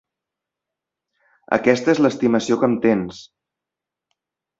Aquesta és l'estimació que em tens!